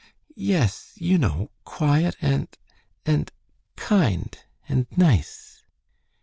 "Yes, you know, quiet and and kind, and nice."